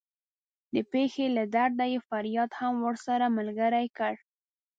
د پښې له درده یې فریاد هم ورسره ملګری کړ.